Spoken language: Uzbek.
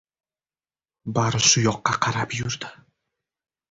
Bari shu yoqqa qarab yurdi.